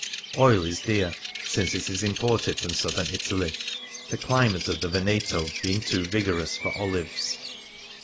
Oil is dear, since it is imported from Southern Italy, the climate of the Veneto being too vigorous for olives.